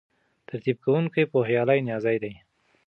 ترتیب کوونکی پوهیالی نیازی دی.